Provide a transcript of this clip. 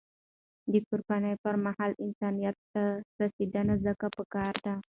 د قربانی پر مهال، انسانیت ته رسیدنه ځکه پکار ده.